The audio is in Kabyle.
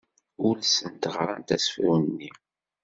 Ulsent ɣrant asefru-nni.